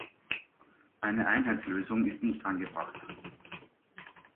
Eine Einheitslösung ist nicht angebracht.